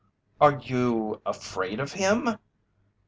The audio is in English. "Are you afraid of him?"